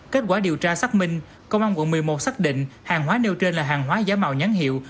kết quả điều tra xác minh công an quận một mươi một xác định hàng hóa nêu trên là hàng hóa giả mạo nhãn hiệu